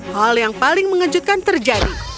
hal yang paling mengejutkan terjadi